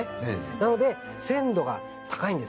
なので鮮度が高いんです。